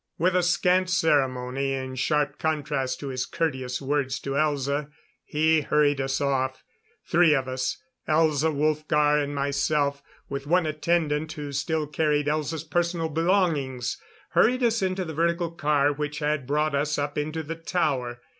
With a scant ceremony in sharp contrast to his courteous words to Elza, he hurried us off. Three of us Elza, Wolfgar and myself, with one attendant who still carried Elza's personal belongings. Hurried us into the vertical car which had brought us up into the tower.